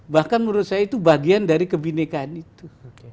bahkan menurut saya itu bagian dari kebinekaan itu